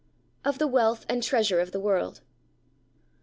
Of the Wealth and Treasure of the World.